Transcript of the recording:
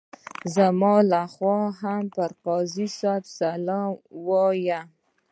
زما لخوا هم پر قاضي صاحب سلام ووایه.